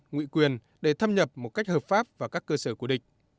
nguyện quyền để tham nhập một cách hợp pháp vào các cơ sở của địch